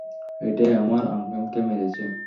এটাই আমার আংকেলকে মেরেছে।